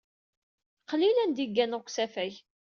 Qlil anda i gganeɣ deg usafag.